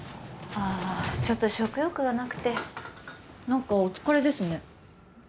ああちょっと食欲がなくて何かお疲れですね？